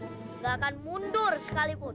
nggak akan mundur sekalipun